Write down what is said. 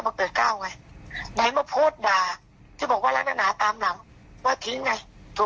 แม่มึงมันโง่แดดทำไรมึงทำไรมันโง่